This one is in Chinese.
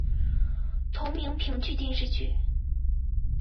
同名评剧电视剧